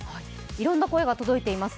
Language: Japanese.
いろんな声が届いています。